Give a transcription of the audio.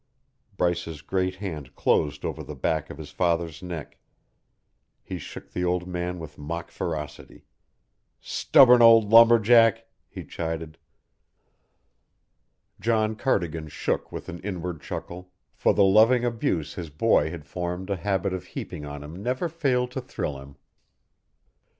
Bryce's great hand closed over the back of his father's neck; he shook the old man with mock ferocity. "Stubborn old lumberjack!" he chided. John Cardigan shook with an inward chuckle, for the loving abuse his boy had formed a habit of heaping on him never failed to thrill him.